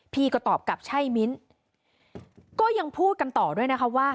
พี่ก็ตอบกลับใช่มิ้นก็ยังพูดกันต่อด้วยนะคะว่า